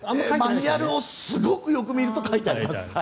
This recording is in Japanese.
マニュアルをすごくよく見ると書いてあります。